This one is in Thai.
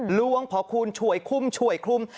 หลวงพ่อคูณช่วยคุ้ม